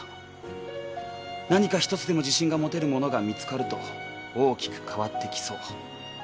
「何か一つでも自信が持てるものが見つかると大きく変わってきそう」